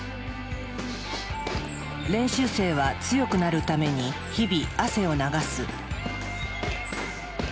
練習生は強くなるために日々汗を流す。